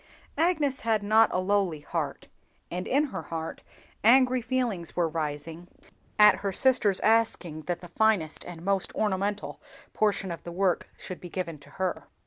Agnes had not a lowly heart, and in her heart angry feelings were rising at her sister's asking that the finest and most ornamental portion of the work should be given to her.